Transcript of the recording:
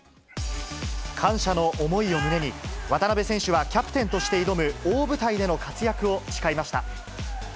感謝の思いを胸に、渡邊選手はキャプテンとして挑む大舞台での活躍を誓いました。